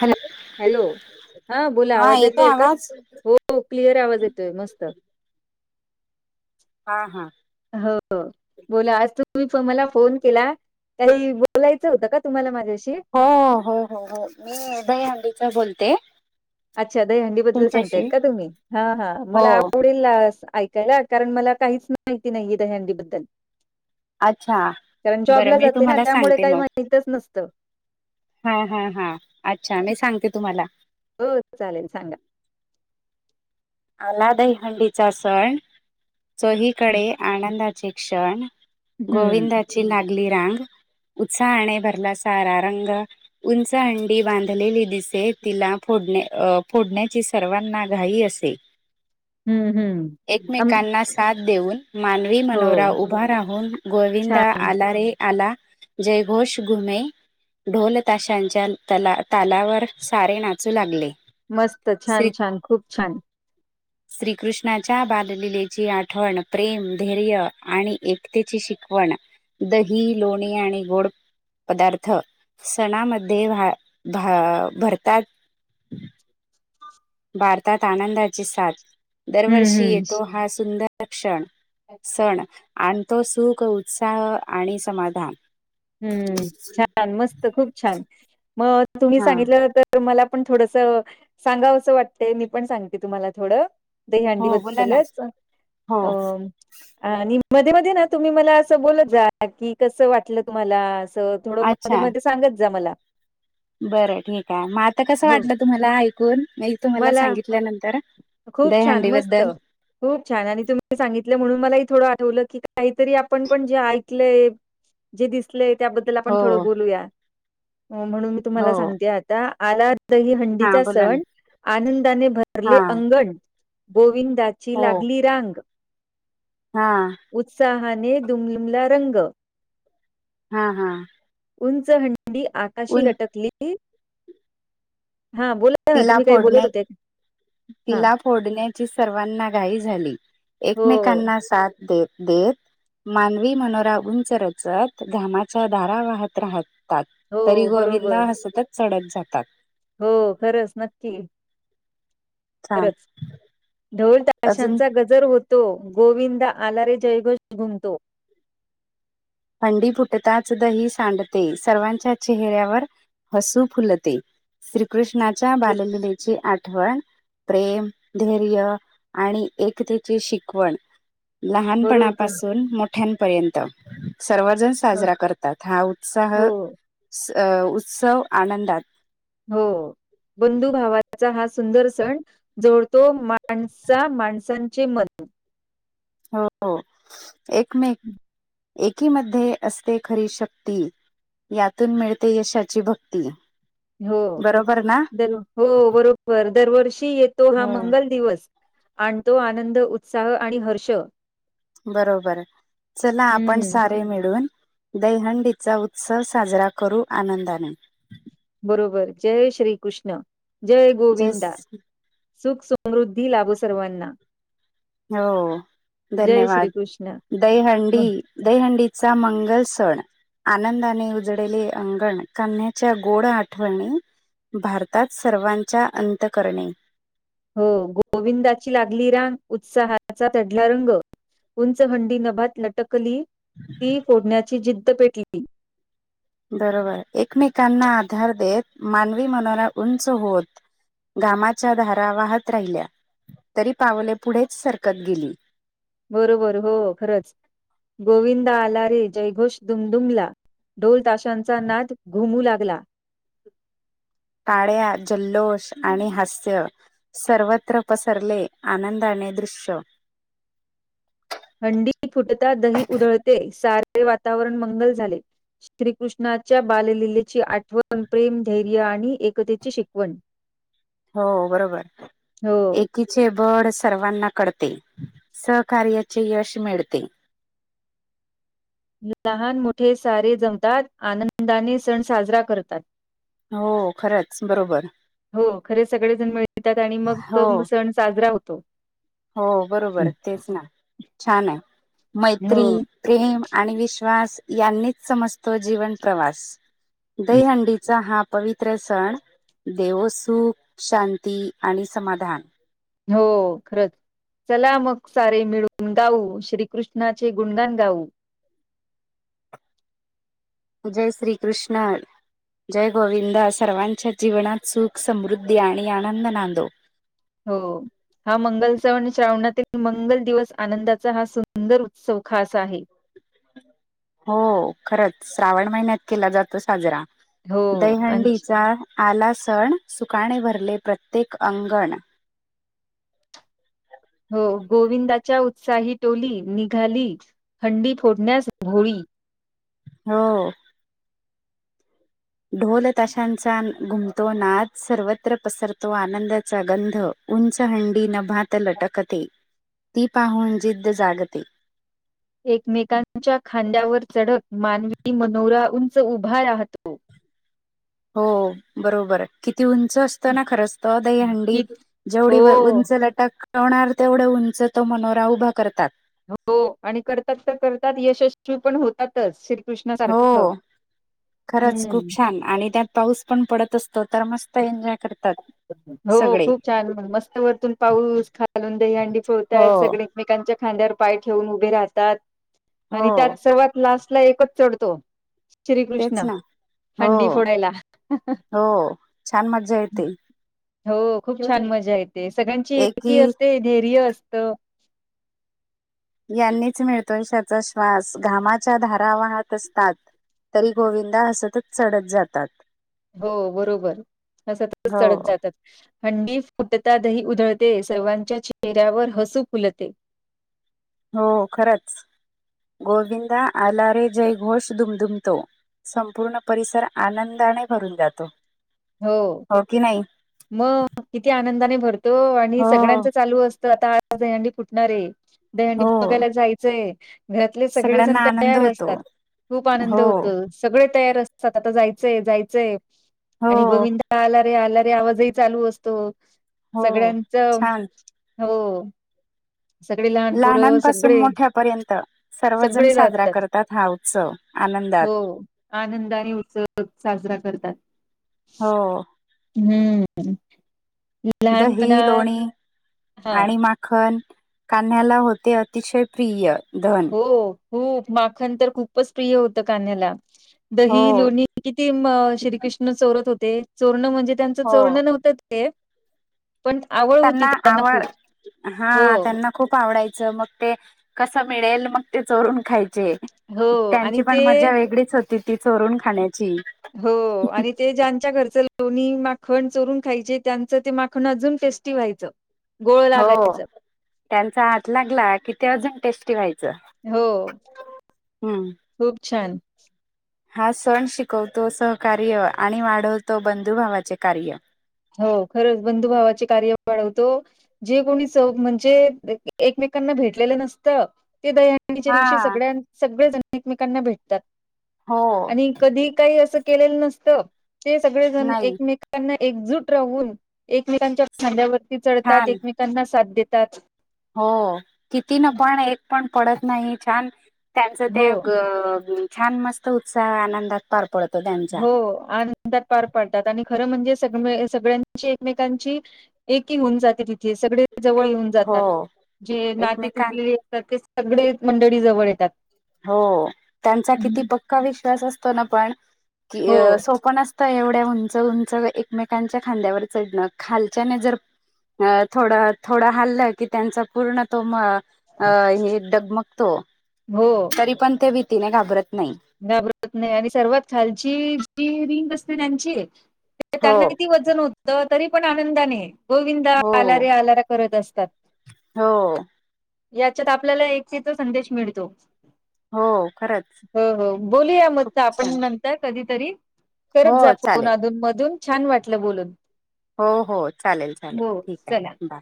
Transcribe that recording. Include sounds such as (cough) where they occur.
Hello हॅ hello हा, बोला आवाज येतोय का हो. हो, क्लिअर आवाज येतोय मस्त. हा हा, हो, बोला आज तुम्ही पण मला फोन केला. काही बोलायचं होतं का तुम्हाला माझ्याशी? हो हो हो हो, मी दही हंडीच बोलते. अच्छा दहीहंडी बद्दल तुमच्याशी सांगतायत का तुम्ही हा हा, हो मला बोल. दिलास आयकयला कारण मला काहीच माहिती नाहीय दही हंडी बद्दल. अच्छा कारण बरं जॉबला मी जाते ना तुम्हाला त्यामुळे सांगते काही मग माहितच नसतं. हा हा हा, अच्छा मी सांगते तुम्हाला. हो, चालेल सांगा. आलादईहंडीचा सण चोहीकडे आनंदाचे क्षण. हम्म गोविंदाची लागली रांग उत्साहाने भरला सारा रंग. उंच हंडी बांधलेली दिसे तिला फोडणे फोडण्याची सर्वांना घाई असे. हम्म हम्म, आम एकमेकांना साथ देऊन. मानवी हो मनोरा उभा राहून गोविंदा छान आला रे आला. जयघोष घुमे. ढोल ताशांच्या तला तालावर सारे नाचू लागले. मस्त छान श्री छान खूप छान. श्रीकृष्णाच्या बाललीलेची आठवण प्रेम, धैर्य आणि एकतेची शिकवण. दही लोणी आणि गोड. पदार्थ सणामध्ये भा भा भरतात. भारतात आनंदाची साथ हम्म दरवर्षी येतो हा सुंदर क्षण. हम्म सण आणतो सुख उत्साह आणि समाधान. हम्म, छान मस्त खूप छान म तुम्ही हा सांगितलं नंतर. तर मला पण थोडस सांगावं असं वाटत मी पण सांगते तुम्हाला थोडं. दहीहंडी हो बोला ना बद्दलच. हो अं आणि मध्ये- मध्ये ना तुम्ही मला असं बोलत जा की, कस वाटलं तुम्हाला? असं. थोडं मध्ये- अच्छा मध्ये सांगत जा मला. बरं ठीक आहे. म आता कसं हो वाटलं तुम्हाला ऐकून? तुम्हाला मला सांगितल्यानंतर खूप छान दहीहंडी मस्त बद्दल? खूप छान! आणि तुम्ही सांगितलं म्हणून मलाही थोडं आठवलं की, काहीतरी आपण पण जे ऐकलंय जे दिसलेय त्याबद्दल आपण हो थोडं बोलूया. म्हणून मी हो तुम्हाला सांगते आत ता आला दही हा हंडीचा बोला ना सण आनंदाने हा भरले अंगण, गोविंदाची लागली रांग हां. उत्साहाने दुमदुमला रंग, हां हां. उंच हंडी आकाशी लटकली, हा बोला. ना तिला तुम्ही काही बोलत फोडण्या होतेत. तिला फोडण्याची सर्वांना घाई झाली. हो एकमेकांना साथ देत देत, मानवी मनोरा उंच रचत, घामाच्या धारा वाहत राहत तात, हो तरी बरोबर गोविंदा हसतच चढत जातात. हो खरंच नक्की. छान खरंच! ढोल अजून ताशांचा ग जर होतो, गोविंदा आला रे जयघोष घुमतो. हंडी फुटताच दही सांडते, सर्वांच्या चेहऱ्यावर हसू फुलते. श्रीकृष्णाच्या बालललेची आठवण प्रेम धैर्य आणि एकतेची शिकवण. लहान बरोबर पणापासून मोठ्यांपर्यंत सर्वजण हो साजरा करतात, हा उत्साह हो. स उत्सव आनंदात. हो. बंधुभावाचा हा सुंदर सण, जोडतो माणसा माणसांचे मन. हो हो. एकमेक एकीमध्ये असते खरी शक्ती, यातून मिळते यशाची भक्ती. हो, बरोबर ना दर हो बरोबर! दरवर्षी येतो हा हो मंगल दिवस आणतो आनंद उत्साह आणि हर्ष. बरोबर! चला आपण हं. सारे मिळून, दही हंडीचा उत्सव साजरा करू आनंदने. बरोबर! जय श्री कृष्ण! जय गोविंदा! सुख समृद्धी लाभो सर्वांना. हो, जय धन्यवाद! श्रीकृष्ण. दहीहंडी हं. दही हांडीचा मंगल सण आनंदाने उजळले अंगण. कन्याच्या गोड आठवणी भरतात सर्वांच्या अंतकरणे. हो. गोविंदाची लागली रांग, उत्साहाचा चढला रंग. उंच हंडी नभात लटकली, (inaudible) ती फोडण्याची जिद्द पेटली. बरोबर! एकमेकांना आधार देत, मानवी मनोरा उंच होत घामाच्या धारा वाहत राहिल्या, तरी पावले पुढेच सरकत गेली. बरोबर हो खरंच गोविंदा आला रे जयघोष दुमदुमला. ढोल ताशांचा नाद घुमू लागला.. टाळ्या जल्लोष आणि हास्य, सर्वत्र पसरले आनंदाने दृश्य. हंडी फुटता दही उधळते, सारे वातावरण मंगल झाले. श्री कृष्णाच्या बाललीलेची आठवण प्रेम, धैर्य आणि एकतेची शिकवण. हो बरोबर ए हो कीचे बळ सर्वांना कळते, सहकार्याचे यश मिळते. लहान मोठे सारे जमतात, आनंदाने सन साजरा करतात. हो खरंच बरोबर. हो खरं सगळेजण मिळतात, आणि मग हो तो सण साजरा होतो. हो बरोबर तेच ना छान आहे मैत्री, हो प्रेम आणि विश्वास यांनीच समजतो जीवन प्रवास. दही हंडीचा हा पवित्र सण देवो सुख, शांती आणि समाधान हो खरंच. चला मग सारे मिळून गाऊ, श्रीकृष्णाचे गुणगाण गाऊ. जय श्री कृष्ण जय गोविंद सर्वांच्या जीवनात सुख समृद्धी आणि आनंद नांदो. हो.. हा मंगल सण श्रावणातील मंगल दिवस आनंदाचा हा सुंदर सुखाचा आहे. हो खरंच श्रावण महिन्यात केला जातो साजरा हो आणि दहंडीचा आला सण, सुकाने भरले प्रत्येक अंगण. हो गोविंदाच्या उत्साही डोली निघाली. हंडी फोडण्यास होळी हो. ढोल ताशांचा घुमतो नाद, सर्वत्र पसरतो आनंदाचा गंध. उंच हंडी नभात लटकते, ती पाहून जिद्द जागते. एकमेकांच्या खांद्यावर चढत मानवी मनोरा उंच उभा राहतो. हो बरोबर किती उंच अस तो ना खरंच तो दहीहंडी कि जेवढी हो उंच लटक वणार तेवढा उंच तो मनोरा उभा करतात. हो आणि करतात तर करतात यशस्वी पण होतात. श्री कृष्ण हो खरंच खूप छान आणि त्यात पाऊस पण पडत असतो तर मस्त एंजॉय हो खूप छान मस्त वरतून पाऊस खालून दहीहंडी हो फोडतायत सगळे एकमेकांच्या खांद्यावर पाय ठेवून उभे राहतात हो आणि त्यात सर्वात लास्टला एकच चढतो तेच श्रीकृष्ण ना हो हंडी फोडायला हं ह हो छान मज्जा येते. हो खूप छान मजा येते सगळ्यांची एकी असते धैर्य असतं. यांनीच मिळतोय, आयुष्याचा श्वास घामाच्या धारा वाहात असतात. तरी गोविंदा हसतच चढत जातात. हो बरोबर हसतच हो चढत जातात. हंडी फुटता, दही उधळते, सर्वांच्या चेहऱ्यावर हसू फुलते. हो खरंच, गोविंदा आला रे जय घोष दुमधुमतो. संपूर्ण परिसर, आनंदाने भरून जातो. हो, की नाही मग किती आनंदाने भरतो, आणि हो सगळ्यांच चालू असतं, आता आज दहंडी फुटणार आहे, दहंडी हो बघायला जायचंय. घरातील सगळेजण सगळ्यांना आनंद तयार होतो असतात. खूप आनंद हो होतो. सगळे तयार असतात, आता जायचंय, जायचंय, हो आणि, गोविंदा आला रे, आला रे, आवाजही चालू असतो, हो सगळ्यांच. हो, सगळे लहान पोरं लहनांपासून, सगळे मोठ्या पर्यंत, सर्वजण सगळे साजरा जातात करतात. हा उत्सव, आनंदात, हो आनंदाने, उत्सव साजरा करतात. हो, हम्म, लहानपणा दही, लोणी, हा आणि मा खन, कान्हाला होते अतिशय प्रिय, धन हो, हो माखन तर खूपच प्रिय होत, कान्हाला हो दही लोणी, किती, श्रीकृष्ण चोरत होते, चोरन म्हणजे त्यांचं, हो चोरन नव्हतं ते. पण आवड होती, त्यांना खूप हा हो, त्यांना खूप आवडायचं, मग ते कसं मिळेल, मग ते चोरून खायचे. हो त्यांची आणि पण ते मज्जा वेगळीच होती. ती चोरून खाण्याची. हो आणि ते, ज्यांच्या घरचं लोणी माखण, चोरून खायचे, त्यांचं ते माखण अजून टेस्टी व्हायचं. गोड हो, लागायचं. त्यांचा हात लागला, की ते अजून टेस्टी व्हायचं. हो, हम्म खूप छान, हा, सण शिकवतो सहकार्य, आणि वाढवतो बंधुभावाचे कार्य. हो, खरंच बंधुभावाचे कार्य वाढवतो. जे, कोणी म्हणजे, एकमेकांना भेटलेलं नसतं. ते दही ह च्या दिवशी हा सगळ्या सगळेचण, एकमेकांना भेटतात, हो आणि कधी काही असं केलेलं नसत, ते सगळे जण नाही एकमेकांना, एकजूट राहून, एकमेकांच्या खांद्यावरती चढतात, छान एकमेकांना साथ देतात. हो, किती ना पहाण, एक पण पडत नाही छान. त्यांचं, ते हो ग छान मस्त उत्साह, आनंदात पार पडतो त्यां हो, आनंदात पार पाडतात, आणि खरं म्हणजे, सग सगळ्यांची एकमेकांची, एकी होऊन जाते, तिथे सगळे जवळ येऊन हो जातात, जे नाते एकमेकां तुटले तर ते, सगळे मंडळी जवळ येतात. हो, त्यांचा किती हं, पक्का विश्वास असतो ना, पण की हो, सोप नसतं. एवढ्या, उंच -उंच एकमेकांच्या खांद्यावर चढणं, खालच्याने जर अ, थोडा -थोडं हल्लं की त्यांचा, पूर्ण तो हे डगमगतो, हो, तरी पण ते, भीतीने घाबरत नाही. घाबरत नाही, आणि सर्वात खालची, जी रिंग असते त्यांची. त्यांना हो. किती वजन होतं, तरी पण आनंदाने, गोविंदा, हो आलारे आला करत असतात. हो याच्यात, आपल्याला एकीचा संदेश मिळतो. हो, खरंच. हो हो, बोलुया खूप मत्त आपण छान नंतर कधीतरी, हो करत जा फोन चालेल अधून मधून छान वाटलं बोलून. हो हो, चालेल चालेल, हो, ठीक चला. आहे बाय.